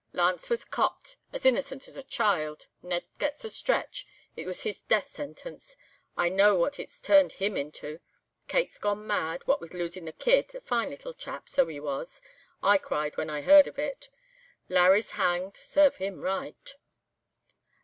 Lance was copped, as innocent as a child: Ned gets a stretch—it was his death sentence. I know what it's turned him into. Kate's gone mad, what with losin' the kid—a fine little chap, so he was (I cried when I heard of it)! Larry's hanged—serve him right.